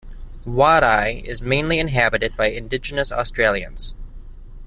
Wadeye is mainly inhabited by Indigenous Australians.